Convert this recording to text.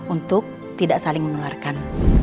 untuk tidak saling menularkan